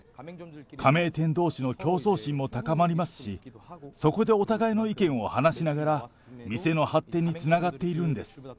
加盟店どうしの競争心も高まりますし、そこでお互いの意見を話しながら、店の発展につながっているんです。